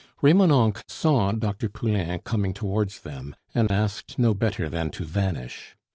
Remonencq saw Dr. Poulain coming towards them, and asked no better than to vanish.